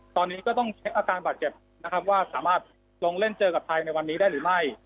ตอนนี้ก็ต้องเช็คอาการบาดเจ็บนะครับว่าสามารถลงเล่นเจอกับไทยในวันนี้ได้หรือไม่